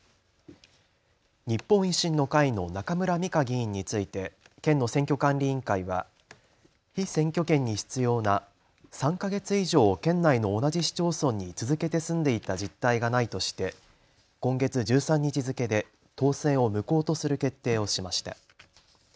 日本維新の会の中村美香議員について県の選挙管理委員会は被選挙権に必要な３か月以上県内の同じ市町村に続けて住んでいた実態がないとして今月１３日付けで当選を無効とする決定をしました。